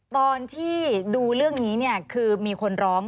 ตอนที่ดูเรื่องนี้เนี่ยคือมีคนร้อง